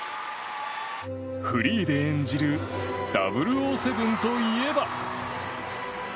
フリーで演じる「００７」といえば。